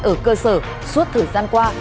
ở cơ sở suốt thời gian qua